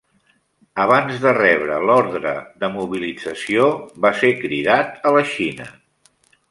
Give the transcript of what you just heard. Abans de rebre d'ordre de mobilització, va ser cridat a la Xina.